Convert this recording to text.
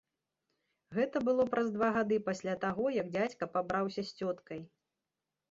Гэта было праз два гады пасля таго, як дзядзька пабраўся з цёткай.